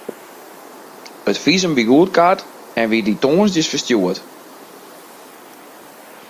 It fisum wie goedkard en wie dy tongersdeis ferstjoerd.